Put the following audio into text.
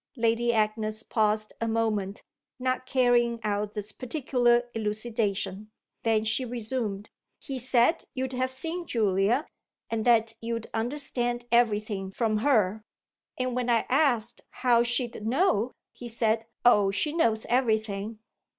Lady Agnes paused a moment, not carrying out this particular elucidation; then she resumed: "He said you'd have seen Julia and that you'd understand everything from her. And when I asked how she'd know he said, 'Oh she knows everything!'"